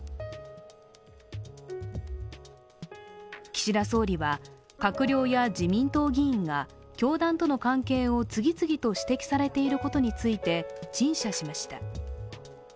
岸田総理は閣僚や自民党議員が教団との関係を次々と指摘されていることについて陳謝しました。